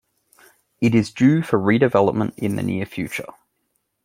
It is due for redevelopment in the near future.